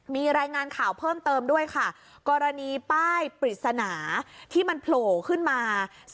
มีรายงานข่าวเพิ่มเติมด้วยค่ะกรณีป้ายปริศนาที่มันโผล่ขึ้นมา